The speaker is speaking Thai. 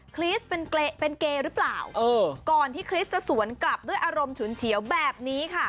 คริสเป็นเกย์หรือเปล่าก่อนที่คริสจะสวนกลับด้วยอารมณ์ฉุนเฉียวแบบนี้ค่ะ